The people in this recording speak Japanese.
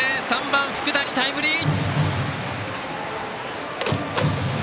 ３番、福谷、タイムリー！